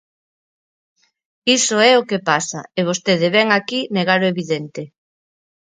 Iso é o que pasa, e vostede vén aquí negar o evidente.